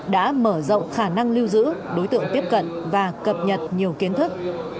đã mở rộng khả năng lưu giữ đối tượng tiếp cận và cập nhật nhiều kiến thức